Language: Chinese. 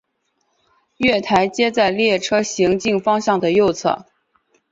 月台皆在列车行进方面的右侧。